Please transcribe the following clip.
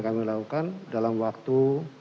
kami lakukan dalam waktu